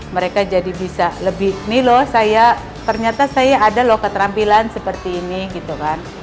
mereka jadi bisa lebih ini loh saya ternyata saya ada loh keterampilan seperti ini gitu kan